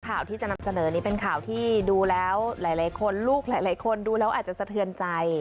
ข่าวที่จะนำเสนอนี้เป็นข่าวที่ดูแล้วหลายคนลูกหลายคนดูแล้วอาจจะสะเทือนใจ